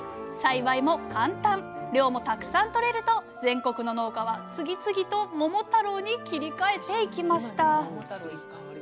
栽培も簡単量もたくさん取れると全国の農家は次々と「桃太郎」に切り替えていきました。